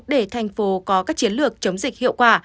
để thành phố có các chiến lược chống dịch hiệu quả